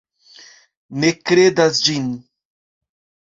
Ne kredas ĝin.